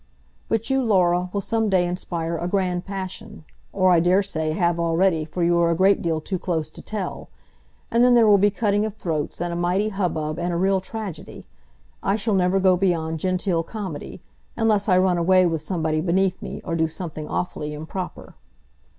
"But you, Laura, will some day inspire a grand passion, or I daresay have already, for you are a great deal too close to tell; and then there will be cutting of throats, and a mighty hubbub, and a real tragedy. I shall never go beyond genteel comedy, unless I run away with somebody beneath me, or do something awfully improper."